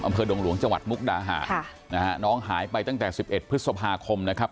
อำเภอดงหลวงจมุกดาหาน้องหายไปตั้งแต่๑๑พฤษภาคมนะครับ